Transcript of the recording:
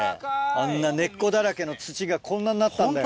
あんな根っこだらけの土がこんなんなったんだよ。